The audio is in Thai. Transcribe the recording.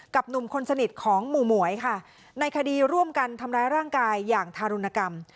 หนุ่มคนสนิทของหมู่หมวยค่ะในคดีร่วมกันทำร้ายร่างกายอย่างทารุณกรรม